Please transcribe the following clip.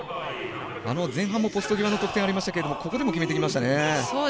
前半もポスト際の得点ありましたがここでも決めてきましたね。